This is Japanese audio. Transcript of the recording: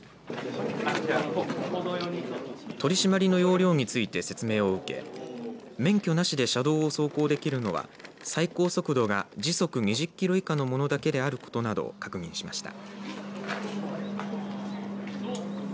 取り締まりの要領について説明を受け免許なしで車道を走行できるのは最高速度が時速２０キロ以下の物だけであることなどを確認しました。